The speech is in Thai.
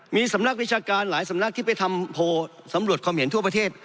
มีสำนักวิชาการหลายสำนักที่ไปทำโพลสำรวจความเห็นทั่วประเทศ